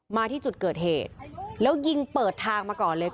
มาที่จุดเกิดเหตุแล้วยิงเปิดทางมาก่อนเลย